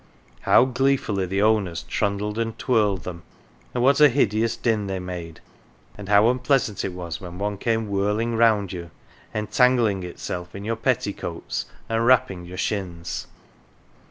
How gleefully the owners trundled and twirled them, and what a hideous din they made, and how unpleasant it was when one came whirling round you, entangling itself in your petticoats and rapping your shins